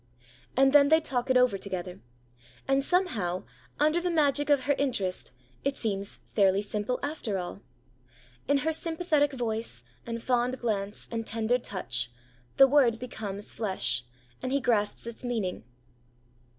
And then they talk it over together. And, somehow, under the magic of her interest, it seems fairly simple after all. In her sympathetic voice, and fond glance, and tender touch, the word becomes flesh, and he grasps its meaning.